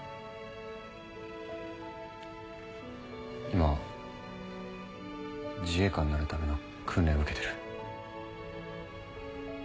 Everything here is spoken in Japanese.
今自衛官になるための訓練を受けてる。